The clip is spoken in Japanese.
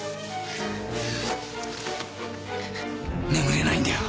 眠れないんだよ